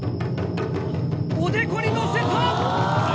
おでこに乗せた！